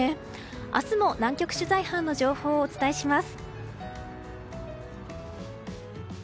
明日も南極取材班の情報をお伝えします。